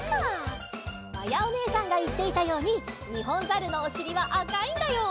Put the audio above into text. まやおねえさんがいっていたようにニホンザルのおしりはあかいんだよ。